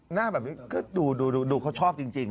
หน้าแบบนี้ก็ดูเขาชอบจริง